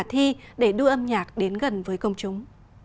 hòa nhạc trực tuyến là giải pháp khá thi để đua âm nhạc đến gần với công chúng